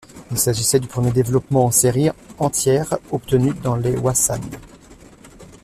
Il s'agissait du premier développement en série entière obtenu dans les Wasan.